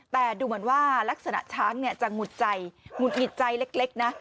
แต่ดูเหมือนว่ารักษณะช้างจะหงุดใจหงุดหงิดใจเล็กนะ